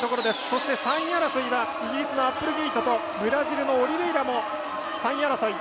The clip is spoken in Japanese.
そして３位争いはイギリスのアップルゲイトとブラジルのオリベイラも３位争い。